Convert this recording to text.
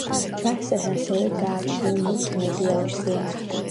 ბარსას ასევე გააჩნია მულტიმედია ვერსია.